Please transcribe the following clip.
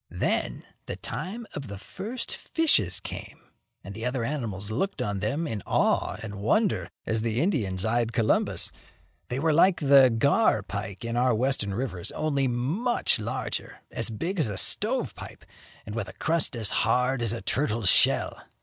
Then, the time of the first fishes came, and the other animals looked on them in awe and wonder as the Indians eyed Columbus. They were like the gar pike in our Western rivers, only much larger, as big as a stove pipe, and with a crust as hard as a turtle's shell.